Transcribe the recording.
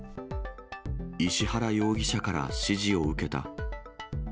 石原容疑者から指示を受けた。